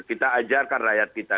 kita ajarkan rakyat kita